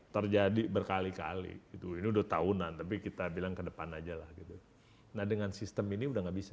terjadi berkali kali itu udah tahunan tapi kita bilang ke depan aja lah gitu nah dengan sistem ini